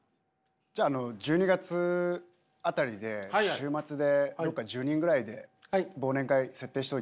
じゃああの１２月辺りで週末でどっか１０人ぐらいで忘年会設定しておいて。